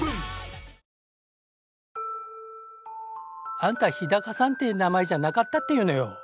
あんた日高さんって名前じゃなかったっていうのよ